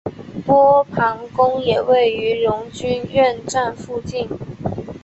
波旁宫也位于荣军院站附近。